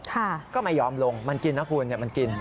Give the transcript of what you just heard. ก็ไม่ยอมลงมันกินนะคุณมันกิน